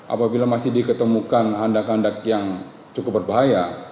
apabila masih diketemukan handak handak yang cukup berbahaya